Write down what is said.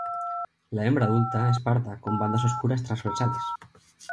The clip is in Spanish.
La hembra adulta es parda con bandas oscuras transversales.